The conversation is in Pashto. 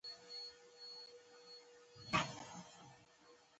کافره، فریب کاره او زلفې یې پر اوږه.